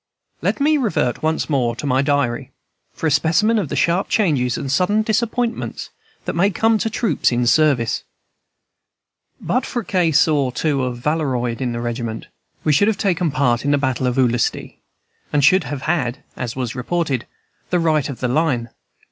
Let me revert once more to my diary, for a specimen of the sharp changes and sudden disappointments that may come to troops in service. But for a case or two of varioloid in the regiment, we should have taken part in the battle of Olustee, and should have had (as was reported) the right of the line.